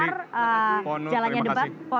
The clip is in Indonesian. terima kasih pak sandi terima kasih pak nur